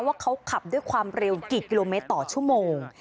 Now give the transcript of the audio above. ว่าเขาขับด้วยความเร็วกี่กิโลเมตรต่อชั่วโมง